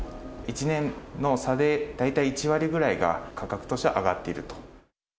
１年の差で、大体１割ぐらいが価格としては上がっていると。